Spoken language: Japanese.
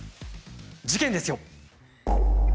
事件ですよ。